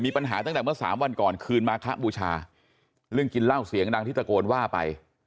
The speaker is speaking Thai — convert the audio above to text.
ตั้งแต่เมื่อสามวันก่อนคืนมาคะบูชาเรื่องกินเหล้าเสียงดังที่ตะโกนว่าไป